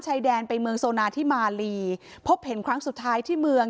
ชายแดนไปเมืองโซนาที่มาลีพบเห็นครั้งสุดท้ายที่เมือง